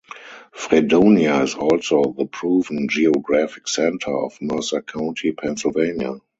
Fredonia is also the proven geographic center of Mercer County, Pennsylvania.